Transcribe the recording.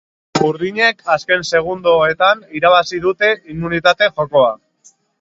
Urdinek azken segundoetan irabazi dute immunitate jokoa.